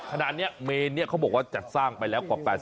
ขณะนี้เมนนี้เขาบอกว่าจัดสร้างไปแล้วกว่า๘๐